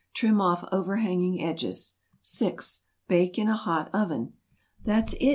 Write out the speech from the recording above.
Trim off overhanging edges. 6. Bake in a hot oven. "That's it!"